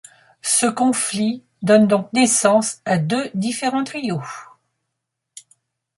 Ce conflit donne donc naissance à deux différents trios.